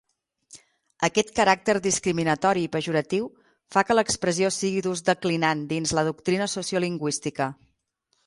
Aquest caràcter discriminatori i pejoratiu fa que l’expressió sigui d’ús declinant dins la doctrina sociolingüística.